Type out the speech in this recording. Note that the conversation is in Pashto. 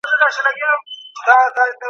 زه هره ورځ د کور پاکي کوم.